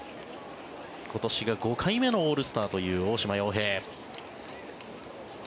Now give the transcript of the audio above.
今年が５回目のオールスターという大島洋平。